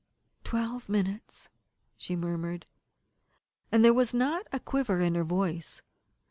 "Twelve minutes," she murmured, and there was not a quiver in her voice.